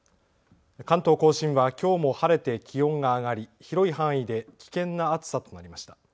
関東甲信はきょうも晴れて気温が上がり、広い範囲で危険な暑さとなりました。